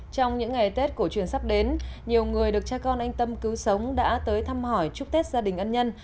trong những ngày tết cổ truyền sắp đến nhiều người được cha con anh tâm cứu sống đã tới thăm hỏi chúc tết gia đình ân nhân